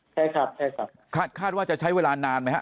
ใช่ครับใช่ครับคาดว่าจะใช้เวลานานไหมฮะ